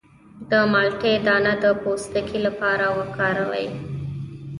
د مالټې دانه د پوستکي لپاره وکاروئ